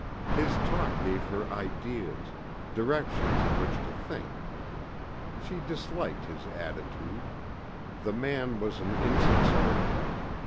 His talk gave her ideas directions in which to think. She disliked his attitude. The man was an insincerity.